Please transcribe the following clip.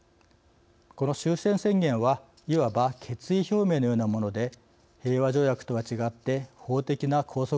この終戦宣言はいわば決意表明のようなもので平和条約とは違って法的な拘束力はありません。